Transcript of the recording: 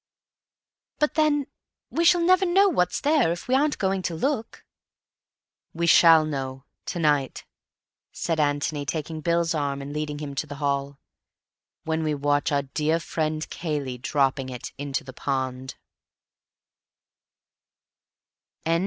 "But then we shall never know what's there if we aren't going to look." "We shall know to night," said Antony, taking Bill's arm and leading him to the hall, "when we watch our dear friend Cayley dropping it into the pond."